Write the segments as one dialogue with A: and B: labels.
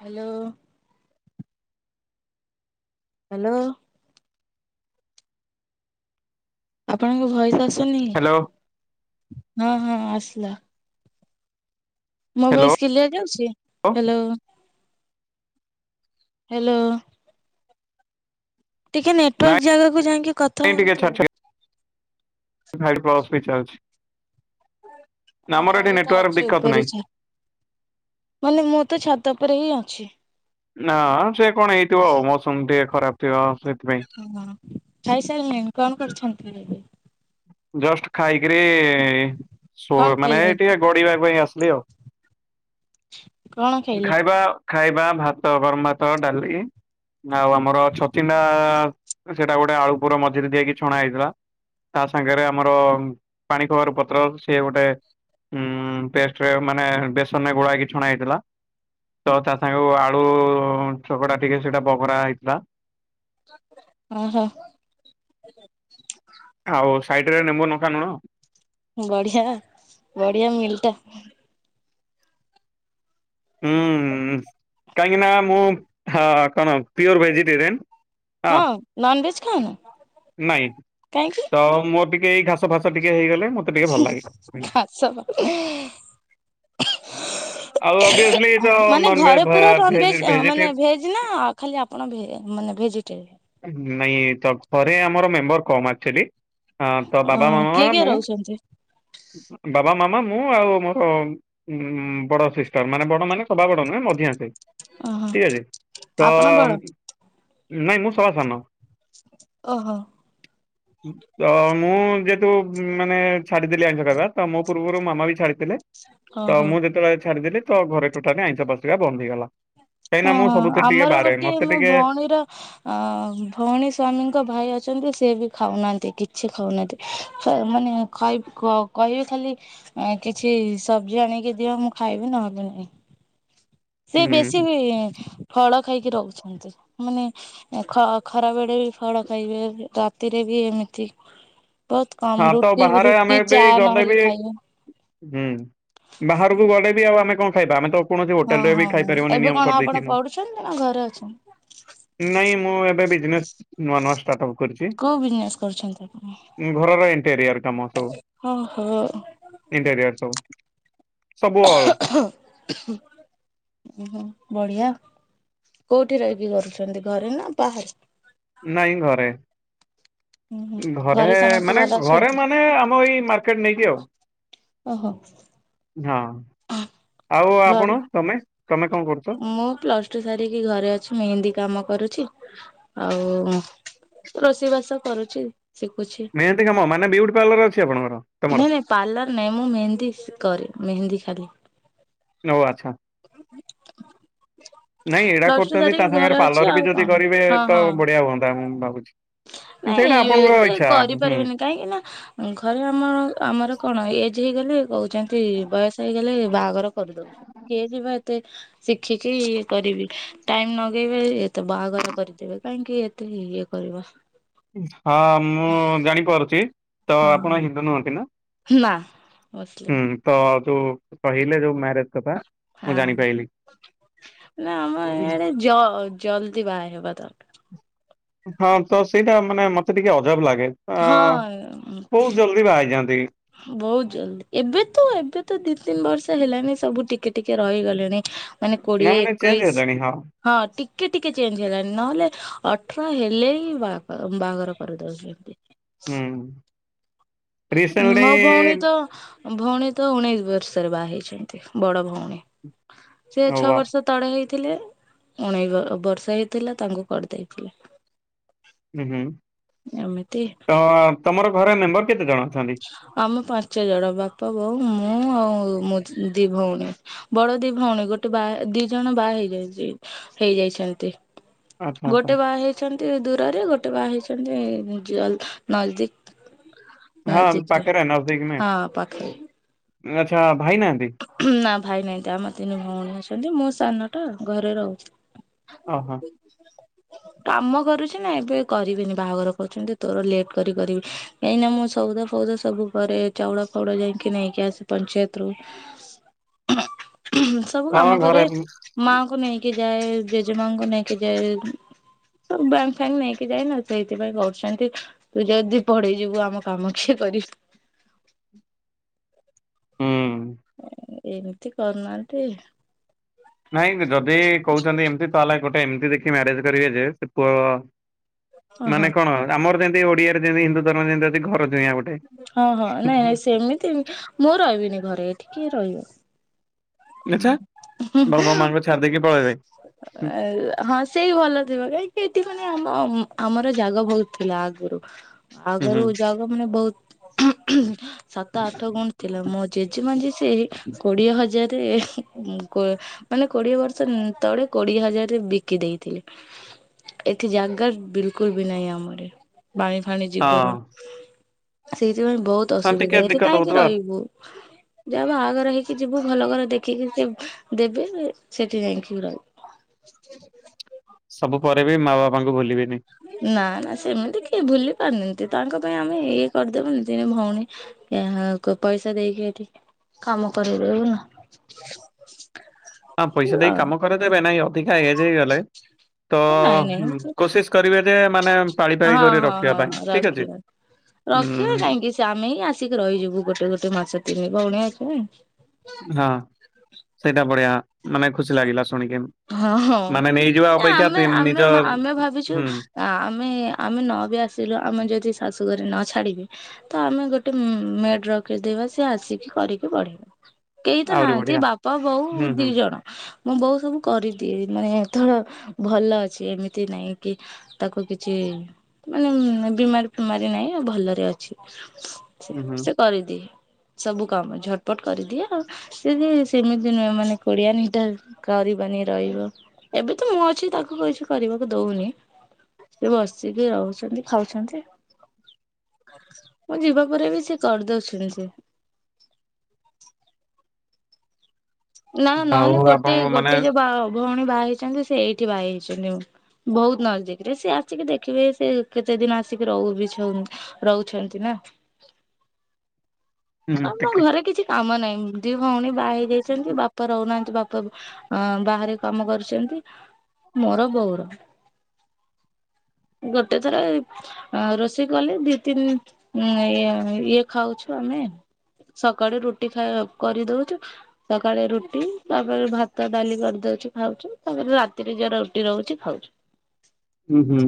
A: Hello. Hello. ଆପଣଙ୍କ voice ଆସୁନି
B: hello
A: ହଁ ହଁ ଆସିଲା।
B: Hello
A: hello hello. ଟିକେ ନେଟୱାର୍କ
B: ନାଇଁ
A: ଜାଗାକୁ ଯାଇଙ୍କି କଥା ହୁଅନ୍ତୁ।
B: ଭାଇ କ୍ରସ୍ ବି ଇଚ୍ଛା ଅଛି।
A: ହଁ ମୁଁ ବି ତ ଅଛି
B: ଦିକତ
A: ଉପରେ
B: ନାହିଁ।
A: ଚା। ମାନେ ମୁଁ ତ ଛାତ ଉପରେ ହିଁ ଅଛି।
B: ନା ସେ କଣ ହେଇଥିବ ଆଉ ମୌସମି ଟିକେ ଖରାପ୍ ଥିବ ସେଥିପାଇଁ।
A: ଖାଇସାରିଲନେଣି କଣ କରୁଛନ୍ତି ଏବେ?
B: ଜଷ୍ଟ ଖାଇକରି ଶୋ
A: କଣ
B: ମାନେ ଏ
A: ଖାଇଲେ
B: ଟିକେ ପଢିବା ପାଇଁ ଆସିଲି ଆଉ
A: କଣ ଖାଇଲେ
B: ଖାଇବା ଖାଇବା ଭାତ ଗରମ ଭାତ ଡାଲି ଆଉ ଆମର ଛଚିନ୍ଦ୍ରା ସେଇଟା ଗୋଟେ ଆ ଉପରେ ମିଝିରେ ଦେଆ ହେଇକି ଛଣା ହେଇଥିଲା। ତା ସାଙ୍ଗରେ ଆମର ପାଣି କଖାରୁ ପତ୍ର ସିଏ ଗୋଟେ ଉଁ ପେଷ୍ଟରେ ମାନେ ବେସନ ରେ ଗୋଳାହେଇକି ଛଣା ହେଇଥିଲା। ତ ତା ସାଙ୍ଗ ଆଳୁ ଚକଟା ଟିକେ ସେଇଟା ବଘରା ହେଇଥିଲା।
A: ଓହୋ।
B: ଆଉ ସାଇଟି ରେ ନେମ୍ବୁ ନଙ୍କା ନୁଣ
A: ବଢିଆ ବଢିଆ ମିଲ୍ଟା।
B: କାହିଁକି ନା ମୁଁ ହଁ କଣ ପିଓର ଭେଜିଟେରିଆନ୍।
A: ନନଭେଜ
B: ହଁ
A: ଖାଉନ
B: ନାଇଁ
A: କାହିଁକି
B: ତ ମୋର ଟିକେ ଇଏ ଘାସ ଫାସ ଟିକେ ହେଇଗଲେ ମୁଁ
A: ସେ ଘାସ
B: ଆଉ ଅଭ୍ୟାସ
A: ମାନେ ଘରେ ପୁରା ନନ୍‌ଭେଜ୍‌
B: ଭେଜିଟେ
A: ମାନେ ଭେଜ୍‌ ନା ଖାଲି ଆପଣ ମାନେ ଭେଜିଟେରିଆନ୍‌
B: ନାଇଁ ତ ଘରେ ଆମର ମେମ୍ବର କମ୍ ଆକ୍ଚୁଅଲି ହଁ ତ ବାବା
A: ଓହୋ କିଏ
B: ମାମା
A: କିଏ
B: ମୁଁ
A: ରହୁଛନ୍ତି?
B: ବାବା ମାମା ମୁଁ ଆଉ ମୋର ଉଁ ବଡ଼ ସିଷ୍ଟର ମାନେ ବଡ଼ ମାନେ ସବା ବଡ଼ ନୁହେଁ ମଝିଆଁ ସେ ଠିକ୍ ଅଛି ତ
A: ଆପଣ କେବଳ
B: ନାଇଁ ମୁଁ ସବା ସାନ।
A: ଓହୋ।
B: ତ ମୁଁ ଯେହେତୁ ମାନେ ଛାଡିଦେଲି ଆଇଁଷ ଖାଇବା ତ ମୋ ପୂର୍ବରୁ ମାମା ବି ଛାଡିଥିଲା।
A: ହଁ
B: ତ
A: ହଉ
B: ମୁଁ ଯେତେବେଳେ ଛାଡିଦେଲି ତ ଘରେ ଟୋଟାଲୀ ଆଇଁଷ ପଶିବା ବନ୍ଦ ହେଇଗଲା। କାହିଁକିନା
A: ହଁ
B: ମୁଁ
A: ହଁ
B: ସବୁଥିରେ ଟିକେ
A: ଆମର
B: ବାହାରେ
A: ଗୋଟେ
B: ମତେ
A: ମୋ
B: ଟିକେ
A: ଭଉଣୀର ଅ ଭଉଣୀ ସ୍ଵାମୀଙ୍କ ଭାଇ ଅଛନ୍ତି ସିଏ ବି ଖାଉନାହାନ୍ତି କିଛି ଖାଉନାହାନ୍ତି ମାନେ ଖାଇଵି କହିବେ ଖାଲି କିଛି ସବଜି ଆଣିକି ଦିଅ ମୁଁ ଖାଇବି ନହେଲେ ନାହିଁ। ସେ ବେଶୀ
B: ହୁଁ
A: ଫଳ ଖାଇକି ରହୁଛନ୍ତି ମାନେ ଖ ଖରା ବେଳେ ବି ଫଳ ଖାଇବେ ରାତିରେ ବି ଏମିତି ବହୁତ
B: ହଁ
A: କମ
B: ତ
A: ରୁଟି
B: ବାହାରେ ଆମେ
A: ରୁଟି
B: ବି
A: ଚା
B: ଗଲେ ବି
A: ନହେଲେ ଖାଇବେ
B: ହୁଁ ବାହାରକୁ ଗଲେ ବି ଆଉ ଆମେ କଣ ଖାଇବା ଆମେ ତ କୌଣସି
A: ହଁ
B: ହୋଟେଲରେ ବି
A: ହଁ
B: ଖାଇପାରିବନି
A: ଏବେ
B: ନିୟମ
A: କଣ ଆପଣ
B: କରିଦେଇଛି ମୁଁ।
A: ପଢୁଛନ୍ତି ନା ଘରେ ଅଛନ୍ତି?
B: ନାଇଁ ମୁଁ ଏବେ ବିଜନେସ୍ ନୂଆ ନୂଆ ଷ୍ଟାର୍ଟ ଅପ୍ କରିଛି।
A: କୋଉ ବିଜନେସ୍ କରୁଛନ୍ତି। ଆପଣ?
B: ଘରର ଏଣ୍ଟେରିିୟର କାମ ସବୁ।
A: ହଁ ହୋ
B: ଇଣ୍ଟେରିୟର ସବୁ ସବୁ ଅଲ।
A: ଓହୋ ବଢିଆ। କୋଉଠି ରହିକି କରୁଛନ୍ତି ଘରେ ନା ବାହାରେ।
B: ନାଇଁ ଘରେ।
A: [inaudible]
B: ଘରେ
A: ସମସ୍ତେ
B: ମାନେ
A: ଭଲ
B: ଘରେ
A: ଅଛନ୍ତି?
B: ମାନେ ଆମ ଏଇ ମାର୍କେଟ୍ ନେଇଚି ଆଉ।
A: ଓହୋ
B: ହଁ ଆଉ
A: ଘରେ
B: ଆପଣ ତମେ ତମେ କଣ କରୁ
A: ମୁଁ ପ୍ଲସ ଟୁ ସାରିକି ଘରେ ଅଛି ମେହେନ୍ଦୀ କାମ କରୁଛି। ଆଉ ରୋଷେଇ ବାସ କରୁଛି ଶିଖୁଛି।
B: ମେହେନ୍ଦୀ କାମ ମାନେ ବିୟୁଟି ପାର୍ଲର ଅଛି ଆପଣଙ୍କର। ତମର
A: ନାଇଁ ନାଇଁ ପାର୍ଲର ନାଇଁ ମୁଁ ମେହେନ୍ଦୀ ସ କରେ ମେହେନ୍ଦୀ ଖାଲି।
B: ନ ଓ ଆଚ୍ଛା।
A: [inaudible]
B: ନାଇଁ ଏଡ଼ା
A: ପ୍ଲସ ଟୁ
B: କରୁଛନ୍ତି ତା
A: ସାରିକି ଘରେ
B: ସାଙ୍ଗରେ
A: ଅଛି
B: ପାର୍ଲର
A: ଆଉ
B: ବି ଯଦି
A: କଣ
B: କରିବେ
A: ହଁ
B: ତ
A: ହଁ।
B: ବଢିଆ ହୁଅନ୍ତା ମୁଁ ଭାବୁଛି। ସେଇଟା
A: ନାଇଁ
B: ଆପଣଙ୍କ
A: ଏତେ
B: ଇଚ୍ଛା ହୁଁ।
A: କରିପାରିବେନି କାହିଁକି ନା ଘରେ ଆମର ଆମର କଣ ଏଜ ହେଇଗଲେ କହୁ ଯେମତି ବୟସ ହେଇଗଲେ ବାହାଘର କରିଦଉଛ କିଏ ଯିବ ଏତେ ଶିଖିକି ଇଏ କରିବି ଟାଇମ ନଗେଇବେ ଏତେ ବାହାଘର କରିଦେବେ କାହିଁକି ଏତେ ଇଏ କରିବ।
B: ହଁ ମୁଁ ଜାଣିପାରୁଛି ତ
A: ହଁ
B: ଆପଣ ହିନ୍ଦ ନୁହଁନ୍ତି ନା।
A: ନା। ମୁସଲିମ
B: ହୁଁ ତ ଯୋଉ କହିଲେ ଯୋଉ ମ୍ୟାରେଜ କଥା। ମୁଁ
A: ହଁ
B: ଜାଣିପାଇଲି।
A: ନା ଆମ ୟାଡେ ଯ ଯଲଦି ବାହା ହେବା ଦରକାର।
B: ହଁ ତ ସେଇଟା ମାନେ ମତେ ଟିକେ ଅଜବ ଲାଗେ ଆଁ
A: ହଁ
B: ବୋହୁ ଜଲ୍ଦି ବାହାହେଇଯାଆନ୍ତି।
A: ବହୁତ ଜଲଦି ଏବେ ତ ଏବେ ତ ଦି ତିନି ବର୍ଷ ହେଲାଣିି ସବୁ ଟିକେ ଟିକେ ରହିଗଲେଣି। ମାନେ
B: ନା
A: କୋଡିଏ
B: ମାନେ ଚେଞ୍ଜ
A: ଏକୋଇଶି
B: ହେଲାଣି
A: ହଁ ଟିକେ ଟିକେ ଚେଞ୍ଜ ହେଲାଣି ନହେଲେ ଅଠର ହେଲେ ହିଁ ବାହାଘର ବାହାଘର କରେଇ ଦଉ [inaudible]
B: ହୁଁ। ରିସେଣ୍ଟଲି
A: ମୋ ଭଉଣୀ ତ ଭଉଣୀ ତ ଉଣେଇଶି ବର୍ଷରେ ବାହା ହେଇଛନ୍ତି ବଡ ଭଉଣୀ ସେ
B: ଓ
A: ଛଅ
B: ବା
A: ବର୍ଷ ତଳେ ହେଇଥିଲେ ଉଣେଇ ବ ବର୍ଷ ହେଇଥିଲା ତାଙ୍କୁ କରିଦେଇଥିଲେ।
B: ଉଁ ହୁଁ
A: ଏମିତି
B: ତ ତମର ଘରେ ମେମ୍ବର କେତେ ଜଣ ଅଛନ୍ତି।
A: ଆମ ପାଞ୍ଚ ଜଣ ବାପା ବୋଉ ମୁଁ ଆଉ ମୋ ଯ ଦି ଭଉଣୀ। ବଡ ଦି ଭଉଣୀ ଗୋଟେ ବା ଦି ଜଣ ବା ହେଇଯାଇଚି ହେଇଯାଇଛନ୍ତି।
B: ଆଚ୍ଛା ଆଚ୍ଛା
A: ଗୋଟେ ବାହା ହେଇଛନ୍ତି ଦୂରରେ ଗୋଟେ ବାହା ହେଇଛନ୍ତି ଏଇ ନ ଯ ନଜଦିକ୍।
B: ହଁ ପାଖରେ ନଜଦିକ ନୁହେଁ
A: ହଁ ପାଖରେ
B: ଆଚ୍ଛା ଭାଇ ନାହାନ୍ତି।
A: ନା ଭାଇ ନାହିଁନ୍ତି ଆମ ତିନି ଭଉଣୀ ଅଛନ୍ତି ମୁଁ ସାନଟା ଘରେ ରହୁଛି।
B: ଓହୋ।
A: [inaudible] କାମ କରୁଛି ନା ଏବେ କରିବିନି ବାହାଘର କଉଛନ୍ତି ତୋର ଲେଟ୍ କରି କରିବି। କାହିଁକିନା ମୁଁ ସଉଦା ଫଉଦା ସବୁ କରେ ଚାଉଡ ଫଉଡ ଯାଇକି ନେଇକି ଆସେ ପଞ୍ଚାୟତରୁୁ। ସବୁ
B: ହଁ
A: କାମ
B: ଘରେ
A: କରେ
B: ହୁଁ
A: ମାଆଙ୍କୁ ନେଇକି ଯାଏ ଜେଜେମାଙ୍କୁ ନେଇକି ଯାଏ ସବୁ ବ୍ୟାଙ୍କ ଫ୍ୟାଙ୍କ ନେଇକି ଯାଏ ନା ସେଇଥିପାଇଁ କହୁଛନ୍ତି ତୁ ଯଦି ପଡି ଯିବୁ ଆମ କାମ କିଏ କରିବ?
B: ହୁଁ।
A: ଅ ଏମିତି କରୁନାହାନ୍ତି
B: ନାଇଁ ଯଦି କହୁଛନ୍ତି ଏମିତି ତାହେଲେ ଗୋଟେ ଏମିତି ଦେଖି ମ୍ୟାରେଜ କରିବେ ଯେ ସେ ପୁଅ
A: ଓହୋ।
B: ମାନେ କଣ ଆମର ଯେମତି ଓଡିଆରେ ଯେମତି ହିନ୍ଦୁ ଧର୍ମରେ ଯେମିତି ଅଛି ଘର ଜୁଆଁ ଗୋଟେ
A: ହଁ ହଁ ନାଇଁ ନାଇଁ ସେମିତି ମୁଁ ରହିବିନି ଘରେ, ଏଠି କିଏ ରହିବ?
B: ଆଚ୍ଛ। ବାପା ମାଆଙ୍କୁ ଛାଡି ଦେଇକି ପଳେଇବେ?
A: ଅ ହଁ ସେଇ ଭଲଥିବ କାହିଁକି ଏଠି ମାନେ ଆମ ଆମର ଜାଗ ବହୁତ ଥିଲା ଆଗରୁ
B: ହୁଁ
A: ଆଗରୁ
B: ହୁଁ
A: ଜାଗା ମାନେ ବହୁତ ସାତ ଆଠ ଗୁଣ୍ଠ ଥିଲା ମୋ ଜେଜେମା ଯିଏ ସିଏ କୋଡିଏ ହଜାର ତେ ଉଁ କୋ ମାନେ କୋଡିଏ ବର୍ଷ ଉଁ ତଳେ କୋଡିଏ ହଜାରରେ ବିକି ଦେଇଥିଲେ। ଏଠି ଜାଗା ବିଲକୁଲ ବି ନାହିଁ ଆମ ଆଡ଼େ। ପାଣି ଫାଣି ଯିବାରୁ
B: ହଁ
A: ସେଇଥିପାଇଁ ବହୁତ ତ
B: ହଁ
A: ଅସୁବିଧା
B: ଟିକେ
A: ଏଠି
B: ଦିକତ
A: କାହିଁକି
B: ହଉଥିବ
A: ରହିବୁ, ଯାହା ବାହାଘର ହେଇକି ଯିବୁ ଭଲ ଘରେ ଦେଖିକି ସେ ଦେବେ ସେଠି ଯାଇଁକି ରହିବୁ।
B: ସବୁ ପରେ ବି ମା ବାପାଙ୍କୁ ଭୁଲିବେନି।
A: ନା ନା ସେମିତି କିଏ ଭୁଲି ପାରନ୍ତି ତାଙ୍କ ପାଇଁ ଆମେ ଇଏ କରିଦେବୁନି ତିନି ଭଉଣୀ କାହାକୁ ପଇସା ଦେଇକି ଏଠି କାମ କରେଇଦଉ ନ।
B: ହଁ ପଇସା ଦେଇ କାମ କରେଇଦେବେ ନାଇଁ ଅଧିକା ଏଜ୍ ହେଇଗଲେ ତ
A: ନାଇଁ ନାଇଁ
B: ହୁଁ କୋଶିସ କରିବେ ଯେ ମାନେ ପାଳି ପାଳି କରି ରଖିବା ପାଇଁ ଠିକ ଅଛି।
A: ରଖିବେ
B: ଉଁ
A: କାହିଁକି ସେ ଆମେ ହିଁ ଆସିକି ରହିଯିବୁ ଗୋଟେ ଗୋଟେ ମାସ ତିନି ଭଉଣୀ ଅଛୁ [unintelligible]
B: ହଁ ସେଇଟା ବଢିଆ ମାନେ ଖୁସି ଲାଗିଲା ଶୁଣିକି ଏମ୍
A: ହଁ ହଁ ନା ଆମେ ଆମେ ଆମେ ଭାବିଛୁ
B: ହୁଁ
A: ଆ ଆମେ ଆମେ ନ ବି ଆସିଲୁ ଆମେ ଯଦି ଶାଶୁଘରେ ନ ଛାଡିବେ ତ ଆମେ ଗୋଟେ ମେଡ ରଖିଦେବା ସେ ଆସିକି କରିକି ପଡେଇବେ। କେଇ ତ
B: ଆହୁରି
A: ନାହାନ୍ତି
B: ବଢିଆ।
A: ବାପା, ବୋଉ,
B: ହୁଁ
A: ଦି
B: ହୁଁ
A: ଜଣ ମୋ ବୋଉ ସବୁ କରିଦିଏ ମାନେ ଏଥର ଭଲ ଅଛି ଏମିତି ନାହିଁ କି ତାକୁ କିଛି ମାନେ ଉଁ ନାଇଁ ବିମାରି ଫିମାରି ନାହିଁ ଭଲରେ ଅଛି
B: ହୁଁ
A: ସେ କରିଦିଏ ସବୁ କାମ ଝଟପଟ କରିଦିଏ ଆଉ ସିଏ ଯେ ସେମିତି ନୁହେଁ ମାନେ କୋଢିଆଣୀଟା କରି ବନି ରହିବ ଏବେ ତ ମୁଁ ଅଛି ତାକୁ କିଛି କରିବାକୁ ଦଉନି ସିଏ ବସିକି ରହୁଛନ୍ତି ଖାଉଛନ୍ତି ମୁଁ ଯିବା ପରେ ବି ସିଏ କରିଦଉଛନ୍ତି। ନା
B: ଆଉ
A: ନହେଲେ ଗୋଟେ
B: ଆପଣଙ୍କୁ ମାନେ
A: ଗୋଟେ ଯୋଉ ବା ଭ ଭଉଣୀ ବାହା ହେଇଛନ୍ତି ସେ ଏଇଠି ବାହା ହେଇଛନ୍ତି ଆଉ। ବହୁତ ନଜଦିକରେ ସିଏ ଆସିକି ଦେଖିବେ ସେ କେତେ ଦିନ ଆସିକି ରହୁ ବି ଛଉନ ରହୁଛନ୍ତି ନା!
B: ହୁଁ
A: ଆମ୍
B: ଟିକେ
A: ଘରେ କିଛି କାମ ନାହିଁ ଦି ଭଉଣୀ ବାହା ହେଇଯାଇଛନ୍ତି ବାପା ରହୁନାହାନ୍ତି ବାପା ଅ ବାହାରେ କାମ କରୁଛନ୍ତି ମୋର ବୋଉ ର ଗୋଟେ ଥର ଏଇ ଆ ରୋଷେଇ କଲେ ଦି ତିନି ଉଁ ଇଏ ଇଏ ଖାଉଛୁ ଆମେ ଆଉ ସକାଳୁ ରୁଟି ଖାଇଆକୁ କରିଦଉଛୁ ସକାଳେ ରୁଟି ତାପରେ ଭାତ, ଡାଲି କରିଦଉଛି ଖାଉଛୁ ତାପରେ ରାତିରେ ଯାର ରୁଟି ରହୁଛି ଖାଉଛୁ।
B: ହୁଁ ହୁଁ।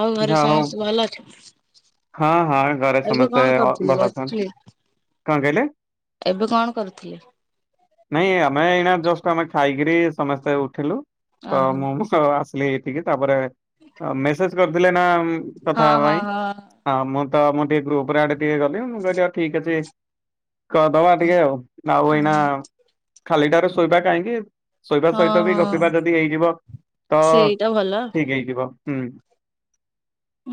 A: ଆଉ ଘରେ
B: ଯାହା ହଉ
A: ସମସ୍ତେ ଭଲ ଅଛନ୍ତି?
B: ହଁ ହଁ ଘରେ
A: ଏବେ
B: ସମସ୍ତେ
A: କଣ
B: ଅ
A: କରୁଥିଲେ
B: ଭଲ ଅଛନ୍ତି।
A: ବସିଥିଲି
B: କଣ କହିଲେ?
A: ଏବେ କଣ କରୁଥିଲେ?
B: ନାଇଁ ଆମେ ଏଇନା ଜଷ୍ଟ ଆମେ ଖାଇକିରି ସମସ୍ତେ ଉଠିଲୁ ତ
A: ଓହୋ
B: ମୁଁ ଆସିଲି ଏଠିକି ତାପରେ ମେସେଜ କରିଥିଲେ ନା
A: ହଁ
B: କଥା ହବା
A: ହଁ
B: ପାଇଁ।
A: ହଁ
B: ହଁ ମୁଁ ତ ମୁଁ ଟିକେ ଗ୍ରୁପରେ ଆଡେ ଟିକେ ଗଲି ମୁଁ କହିଲି ଆଉ ଠିକ ଅଛି। କରଦବା ଟିକେ ଆଉ ଆଉ ଏଇନା ଖାଲିଟାରେ ଶୋଇବା କାହିଁକି? ଶୋଇବା
A: ହଁ
B: ସହିତ ବି
A: ହଁ
B: ଗପିବା ଯଦି ହେଇଯିବ ତ
A: ସେଇଟା ଭଲ
B: ଠିକ ହେଇଯିବ ହୁଁ।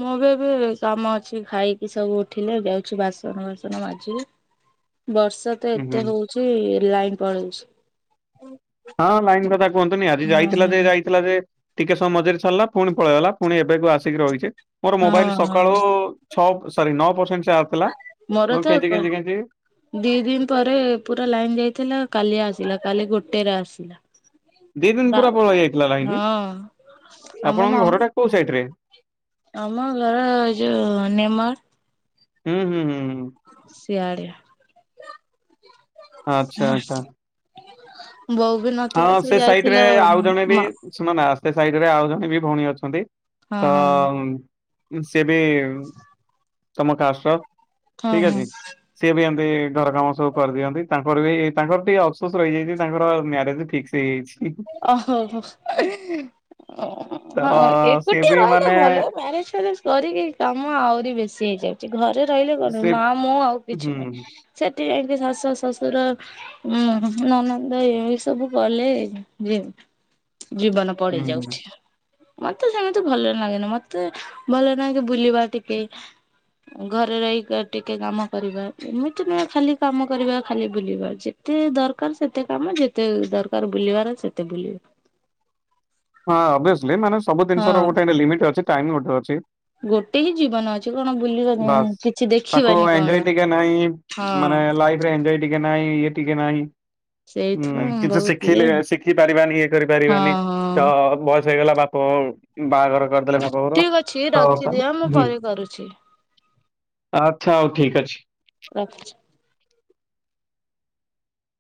A: ମୁଁ ବି ଏବେ କାମ ଅଛି ଖାଇକି ସବୁ ଉଠିଲେ ଯାଉଛି ବାସନ ବାସନ ମାଜିବି। ବର୍ଷା ତ
B: ହୁଁ। ହୁଁ
A: ଏତେ ହଉଛି ଲାଇନ ପଳେଇଛି।
B: ହଁ ଲାଇନ୍ କଥା କୁହନ୍ତୁନି ଆଜି ଯାଇଥିଲା ଯେ
A: ହଁ
B: ଯାଇ ଥିଲା ଯେ ଟିକେ ସମ ମଝିରେ ରହିଲା ପୁଣି ପଳେଇଗଲା ପୁଣି ଏବେକୁ ଆସିକି ରହିଛି। ମୋର ମୋବାଇଲ
A: ହଁ
B: ସକାଳୁ ଛ ସରି ନଅ ପରସେଣ୍ଟ ଚାର୍ଜ ଥିଲା।
A: ମୋର
B: ମୁଁ
A: ତ
B: କେଞ୍ଚି
A: ବା
B: କେଞ୍ଚି କେଞ୍ଚି
A: ଦି ଦିନ ପରେ ପୁରା ଲାଇନ ଯାଇଥିଲା କାଲି ଆସିଲା କାଲି ଗୋଟେରେ ଆସିଲା।
B: ଦି ଦିନ ପୁରା ପଳେଇ
A: ନାଁ
B: ଯାଇଥିଲା ଲାଇନ
A: ହଁ
B: ଆପଣଙ୍କ
A: ଆମ
B: ଘରଟା କୋଉ ସାଇଡ ରେ?
A: ମାମ ଆମ ଘର ଯୋଉ ନେମର
B: ହୁଁ ହୁଁ ହୁଁ ହୁଁ।
A: ସିଆଡେ
B: ଆଚ୍ଛା ଆଚ୍ଛା।
A: ବୋଉ ବି ନ
B: ହଁ ସେ ସାଇଟରେ ଆଉ ଜଣେ ବି ସେମାନେ ଆସ୍ତେ ସାଇଡରେ ଆଉ ଜଣେ ବି ଭଉଣୀ ଅଛନ୍ତି
A: ହଁ
B: ତ
A: ହଁ
B: ସେ ବି ତମ କାଷ୍ଟର
A: ହଁ
B: ଠିକ
A: ହଁ।
B: ଅଛି। ସିଏ ବି ଏମିତି ଘର କାମ ସବୁ କରିଦିଅନ୍ତି ତାଙ୍କର ବି ତାଙ୍କର ଟିକେ ଅଫସୋସ ରହିଯାଇଛି ତାଙ୍କର ମ୍ୟାରେଜ ଫିକ୍ସ ହେଇଯାଇଛି।
A: ଓ ହୋ ହୋ। ଓ
B: ତ
A: ହ
B: ସିଏ
A: ଏକୁଟିଆ
B: ବି
A: ରହିଲେ
B: ମାନେ
A: ଭଲ ମ୍ୟାରେଜ ଫ୍ୟାରେଜ୍ କରିକି କାମ ଆହୁରି ବେଶୀ ହେଇଯାଉଛି ଘରେ ରହିଲେ କଣ
B: ସେ
A: ମା ମୁଁ ଆଉ କିଛି
B: ହୁଁ
A: ନୁହଁ। ସେଥିଯାଇଁକି ଶାଶୁ ଶଶୁର ଉଁ ନନନ୍ଦ ଏ ଏ ସବୁ କଲେ। ଯେ ଜୀବନ
B: ହୁଁ
A: ପଡି ଯାଉଛି। ମତେ ସେମିତି ଭଲ ଲାଗେନି ମତେ ଭଲ ଲାଗେ ବୁଲିବା ଟିକେ ଘରେ ରହିକି ଟିକେ କାମ କରିବା ଏମିତି ନୁହେ ଖାଲି କାମ କରିବା ଖାଲି ବୁଲିବା ଯେ ଯେତେ ଦରକାର ସେତେ କାମ ଯେତେ ଦରକାର ବୁଲିବାର ସେତେ ବୁଲିବ।
B: ହଁ ଓଭାୟୋସ୍ଲି ମାନେ ସବୁ ଜିନିଷ
A: ହଁ।
B: ଗୋଟେ ଲିମିଟ୍ ଅଛି ଟାଇମ ଗୋଟେ ଅଛି।
A: ଗୋଟେ ହିଁ ଜୀବନ ଅଛି କଣ ବୁଲିବନି କିଛି ଦେଖିବନି?
B: ଏଞ୍ଜୟ୍ ଟିକେ ନାହିଁ। ମାନେ ଲାଇଫରେ ଏଞ୍ଜୟ ଟିକେ ନାହିଁ ଇଏ ଟିକେ ନାହିଁ। ହୁଁ
A: ସେଇଥିପାଇଁ ମୁଁ
B: କିନ୍ତୁ
A: ବହୁତ ଇଏ
B: ଶିଖିଲେ ଶିଖି ପାରିବାନି ଇଏ
A: ହଁ
B: କରିପାରିବାନି
A: ହଁ
B: ତ ବୟସ ହେଇଗଲା ବାପ। ବାହାଘର କରିଦେଲେ ବାପଘର
A: ଠିକ ଅଛି ରଖିଦିଅ ମୁଁ
B: ତ୍
A: ପରେ କରୁଛି
B: ଆଚ୍ଛା ହଉ ଠିକ୍ ଅଛି।
A: ରଖୁଛି।